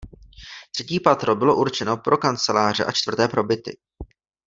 Třetí patro bylo určeno pro kanceláře a čtvrté pro byty.